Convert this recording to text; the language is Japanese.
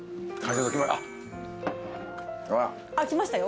あっ来ましたよ。